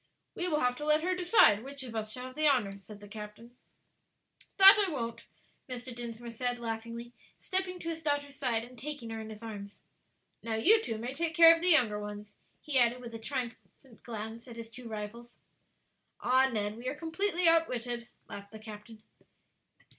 "We will have to let her decide which of us shall have the honor," said the captain. "That I won't," Mr. Dinsmore said, laughingly, stepping to his daughter's side and taking her in his arms. "Now, you two may take care of the younger ones," he added, with a triumphant glance at his two rivals. "Ah, Ned, we are completely outwitted," laughed the captain.